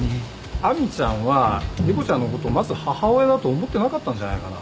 亜美ちゃんは莉湖ちゃんのことまず母親だと思ってなかったんじゃないかな？